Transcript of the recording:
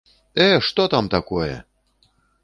Э, што там такое!